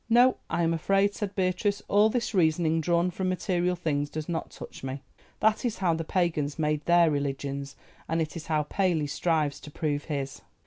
"No; I am afraid," said Beatrice, "all this reasoning drawn from material things does not touch me. That is how the Pagans made their religions, and it is how Paley strives to prove his.